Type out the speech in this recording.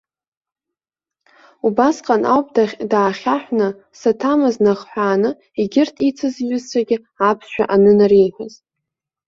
Убасҟан ауп даахьаҳәны, саҭамыз нахҳәааны, егьырҭ ицыз иҩызцәагьы аԥсшәа анынареиҳәаз.